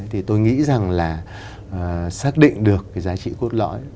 thì tôi nghĩ rằng là xác định được cái giá trị cốt lõi